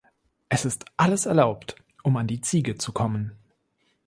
Es ist alles erlaubt, um an die Ziege zu kommen.